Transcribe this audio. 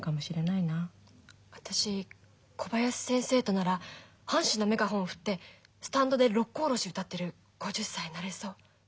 私小林先生となら阪神のメガホン振ってスタンドで「六甲おろし」歌ってる５０歳になれそう。